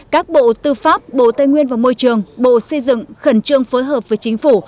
các bộ tư pháp bộ tây nguyên và môi trường bộ xây dựng khẩn trương phối hợp với chính phủ